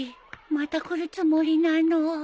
また来るつもりなの？